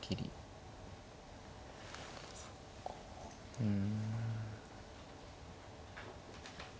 うん。